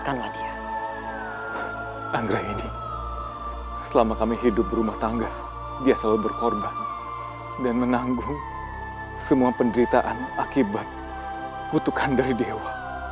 selama kami hidup berumah tangga dia selalu berkorban dan menanggung semua penderitaan akibat kutukan dari dewa